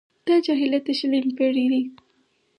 دا جاهلیت د شلمې پېړۍ دی.